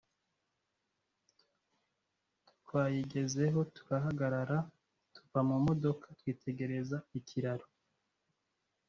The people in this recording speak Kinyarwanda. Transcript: Twayigezeho turahagarara, tuva mu modoka, twitegereza ikiraro